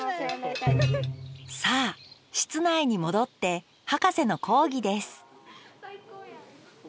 さあ室内に戻ってハカセの講義です